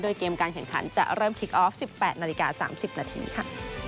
โดยเกมการแข่งขันจะเริ่มคลิกออฟสิบแปดนาฬิกาสามสิบนาทีค่ะ